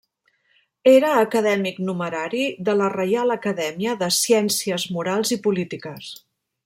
Era acadèmic numerari de la Reial Acadèmia de Ciències Morals i Polítiques.